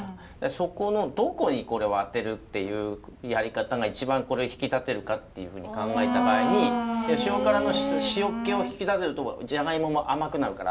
そこのどこにこれを当てるっていうやり方が一番これ引き立てるかっていうふうに考えた場合に塩辛の塩っ気を引き出せるとこジャガイモも甘くなるから。